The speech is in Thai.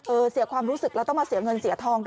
เสียความรู้สึกแล้วต้องมาเสียเงินเสียทองกัน